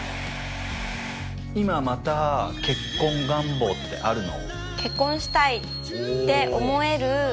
今また結婚願望ってあるの？